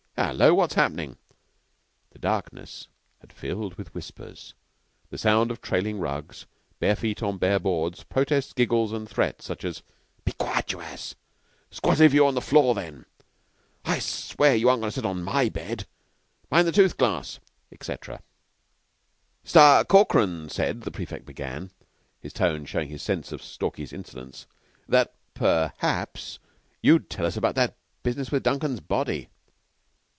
Hullo! What's happening?" The darkness had filled with whispers, the sound of trailing rugs, bare feet on bare boards, protests, giggles, and threats such as: "Be quiet, you ass!... Squattez vous on the floor, then!... I swear you aren't going to sit on my bed!... Mind the tooth glass," etc. "Sta Corkran said," the prefect began, his tone showing his sense of Stalky's insolence, "that perhaps you'd tell us about that business with Duncan's body."